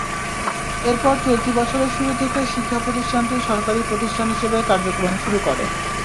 এরপর চলতি বছরের শুরু থেকে শিক্ষাপ্রতিষ্ঠানটি সরকারি প্রতিষ্ঠান হিসেবে কার্যক্রম শুরু করে।